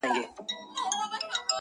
هر څه چي راپېښ ســولـــــه.